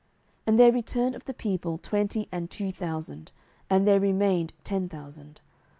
And there returned of the people twenty and two thousand; and there remained ten thousand.